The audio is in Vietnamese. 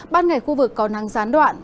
ban ngày khu vực có nắng gián đoạn